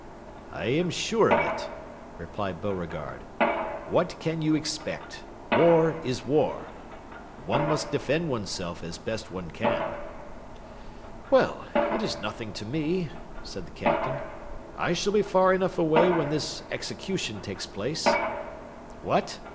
"I am sure of it," replied Beauregard. "What can you expect? War is war; one must defend oneself as best one can." "Well, it is nothing to me," said the Captain. "I shall be far enough away when this execution takes place." "What!